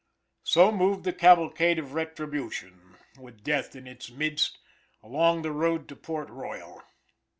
So moved the cavalcade of retribution, with death in its midst, along the road to Port Royal.